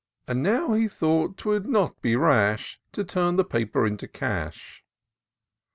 And now he thought 'twould not be rash To turn the paper into cash.